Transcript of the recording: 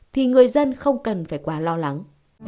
thì người dân không cần phải quá lo lắng